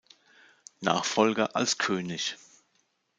Nachfolger als König.